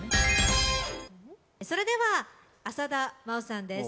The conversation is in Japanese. それでは浅田真央さんです。